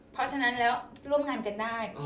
เพราะฉะนั้นแล้วร่วมงานกันได้